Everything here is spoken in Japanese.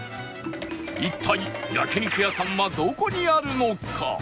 一体焼肉屋さんはどこにあるのか？